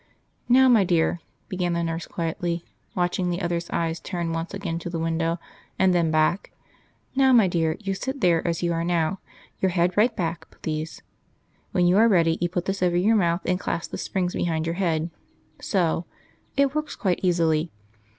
"Now, my dear," began the nurse quietly, watching the other's eyes turn once again to the window, and then back "now, my dear, you sit there, as you are now. Your head right back, please. When you are ready, you put this over your mouth, and clasp the springs behind your head.... So.... it works quite easily.